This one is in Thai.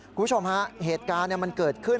คุณผู้ชมฮะเหตุการณ์มันเกิดขึ้น